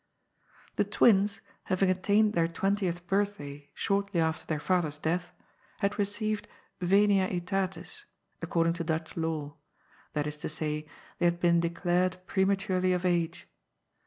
The twins, having attained their twentieth birthday shortly after their father's death, had received "venia aetatis," according to Dutch law, that is to say they had been declared prematurely of age.